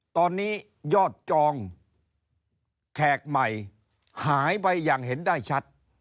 ตอนนี้ยอดจองแขกใหม่หายไปอย่างเห็นได้ชัด